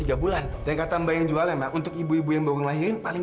tiga bulan dan kata mba yang jualnya untuk ibu ibu yang baru lahirin paling